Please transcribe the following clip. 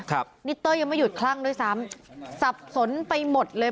นิเตอร์ยังไม่หยุดคลั่งด้วยซ้ำสับสนไปหมดเลย